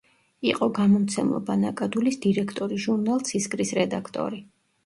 იყო გამომცემლობა „ნაკადულის“ დირექტორი, ჟურნალ „ცისკრის“ რედაქტორი.